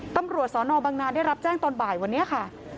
ตำรวจสนบังนาได้รับแจ้งตอนบ่ายวันนี้ค่ะ